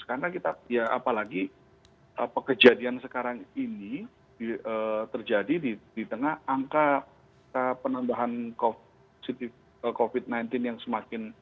karena kita ya apalagi kejadian sekarang ini terjadi di tengah angka penambahan covid sembilan belas yang semakin